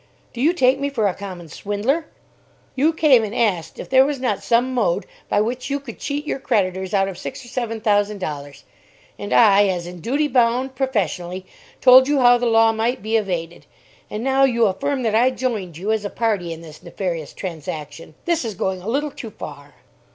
Do you take me for a common swindler? You came and asked if there was not some mode by which you could cheat your creditors out of six or seven thousand dollars; and I, as in duty bound, professionally, told you how the law might be evaded. And now you affirm that I joined you as a party in this nefarious transaction! This is going a little too far?"